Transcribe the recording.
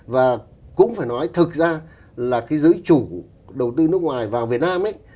và cũng phải nói thực ra là cái giới chủ đầu tư nước ngoài vào việt nam ấy